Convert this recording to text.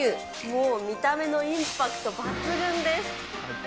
もう見た目のインパクト抜群です。